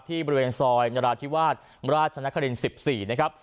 บริเวณซอยนราธิวาสราชนคริน๑๔นะครับ